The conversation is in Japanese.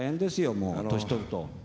もう年取ると。